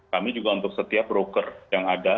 kami juga untuk setiap broker yang ada